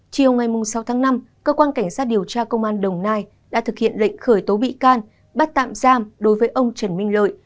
chiều ngày sáu tháng năm cơ quan cảnh sát điều tra công an đồng nai đã thực hiện lệnh khởi tố bị can bắt tạm giam đối với ông trần minh lợi